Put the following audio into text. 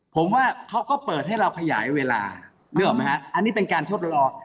ผมว่าเค้าก็เปิดให้เราขยายเวลาอันนี้เป็นการชดลอง